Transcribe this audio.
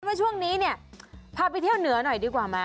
ว่าช่วงนี้เนี่ยพาไปเที่ยวเหนือหน่อยดีกว่าไหม